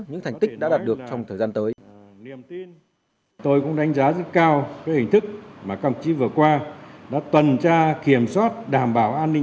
những thành tích đã đạt được trong thời gian tới